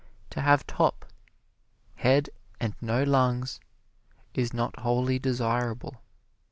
To have top head and no lungs is not wholly desirable.